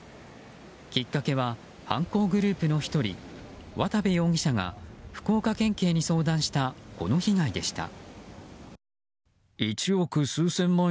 きっかけは犯行グループの１人渡部容疑者が福岡県警に相談したこの被害でした。